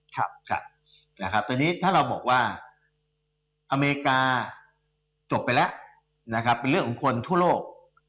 ตอนนี้ถ้าเราบอกว่าอเมริกาจบไปแล้วเป็นเรื่องของคนทั่วโลก